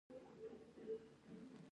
دا د هند د ځواک راز دی.